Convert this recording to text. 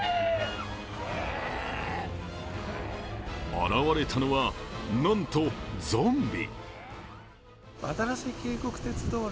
現れたのは、なんとゾンビ。